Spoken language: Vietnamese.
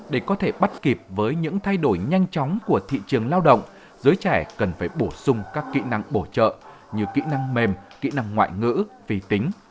để có thể bắt kịp với những thay đổi nhanh chóng của thị trường lao động giới trẻ cần phải bổ sung các kỹ năng bổ trợ như kỹ năng mềm kỹ năng ngoại ngữ vi tính